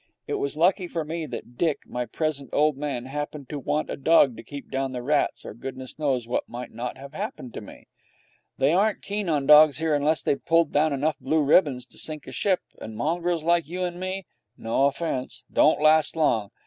It was lucky for me that Dick, my present old man, happened to want a dog to keep down the rats, or goodness knows what might not have happened to me. They aren't keen on dogs here unless they've pulled down enough blue ribbons to sink a ship, and mongrels like you and me no offence don't last long.